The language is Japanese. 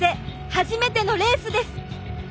初めてのレースです。